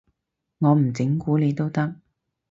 我唔整蠱你都得